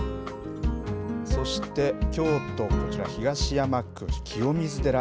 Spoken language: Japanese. そして、京都、こちら東山区清水寺。